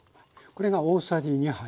これが大さじ２杯。